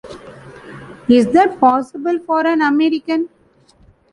Is that possible for an American?